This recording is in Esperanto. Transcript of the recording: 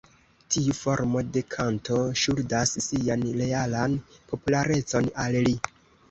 Tiu formo de kanto ŝuldas sian realan popularecon al li.